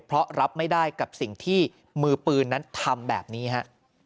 เพราะรับไม่ได้กับสิ่งที่มือปืนนั้นทำแบบนี้ฮะ